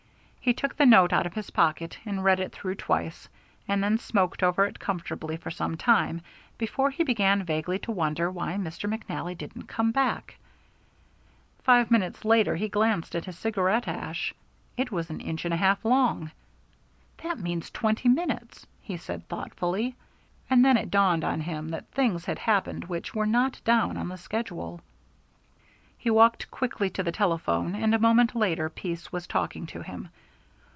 He took the note out of his pocket and read it through twice, and then smoked over it comfortably for some time before he began vaguely to wonder why Mr. McNally didn't come back. Five minutes later he glanced at his cigar ash. It was an inch and a half long. "That means twenty minutes," he said thoughtfully, and then it dawned on him that things had happened which were not down on the schedule. He walked quickly to the telephone, and a moment later Pease was talking to him.